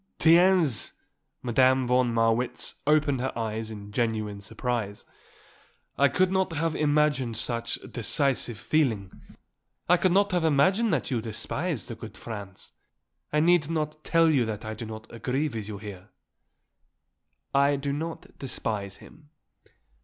"Tiens!" Madame von Marwitz opened her eyes in genuine surprise. "I could not have imagined such, decisive feeling. I could not have imagined that you despised the good Franz. I need not tell you that I do not agree with you there." "I do not despise him."